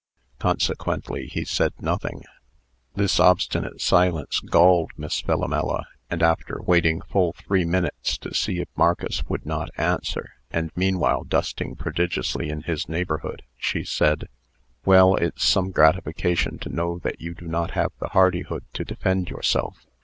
Consequently he said nothing. This obstinate silence galled Miss Philomela; and, after waiting full three minutes to see if Marcus would not answer, and meanwhile dusting prodigiously in his neighborhood, she said: "Well, it's some gratification to know that you do not have the hardihood to defend yourself.